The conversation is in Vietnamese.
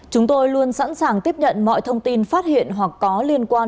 chúng tôi luôn sẵn sàng tiếp nhận mọi thông tin phát hiện hoặc có liên quan